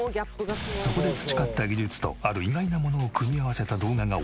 そこで培った技術とある意外なものを組み合わせた動画が大バズり。